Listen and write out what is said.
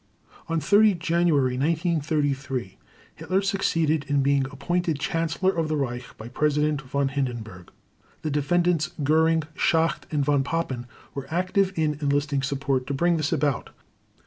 On 30 January 1933 Hitler succeeded in being appointed Chancellor of the Reich by President Von Hindenburg. The Defendants Göring, Schacht, and Von Papen were active in enlisting support to bring this about.